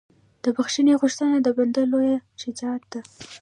د بښنې غوښتنه د بنده لویه شجاعت ده.